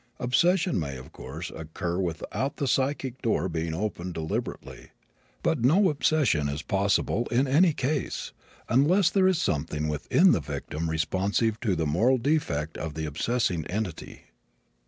Obsession may, of course, occur without the psychic door being opened deliberately. But no obsession is possible, in any case, unless there is something within the victim responsive to the moral defect of the obsessing entity.